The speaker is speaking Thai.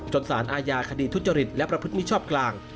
สารอาญาคดีทุจริตและประพฤติมิชชอบกลาง